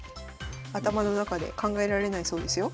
頭の中で考えられないそうですよ。